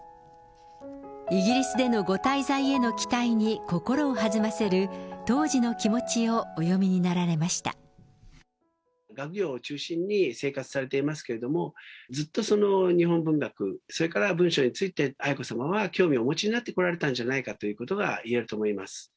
イギリスでのご滞在への期待に心を弾ませる当時の気持ちをお詠み学業を中心に生活をされていますけれども、ずっと日本文学、それから文章について愛子さまは興味をお持ちになってこられたんじゃないかということが言えると思います。